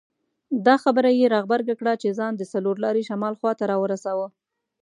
دا خبره یې را غبرګه کړه چې ځان د څلور لارې شمال خواته راورساوه.